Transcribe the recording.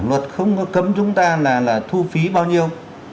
luật không có cấm chúng ta là thu phí bao nhiêu